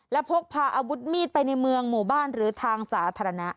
และพกพาอาวุธมีดไปในเมืองหมู่บ้านหรือทางสาธารณะ